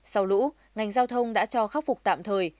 sau lũ ngành giao thông đã cho khắc phục tạm thời